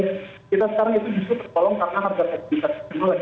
saya kira yang sekarang kita sekarang itu terkolong karena harga komunitas